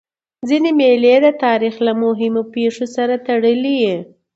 ځيني مېلې د تاریخ له مهمو پېښو سره تړلي يي.